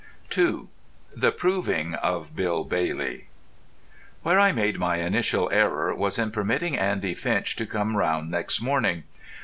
II THE PROVING OF "BILL BAILEY" Where I made my initial error was in permitting Andy Finch to come round next morning.